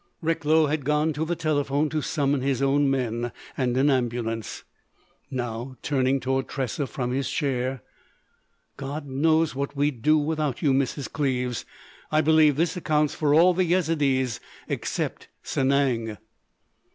Recklow had gone to the telephone to summon his own men and an ambulance. Now, turning toward Tressa from his chair: "God knows what we'd do without you, Mrs. Cleves. I believe this accounts for all the Yezidees except Sanang."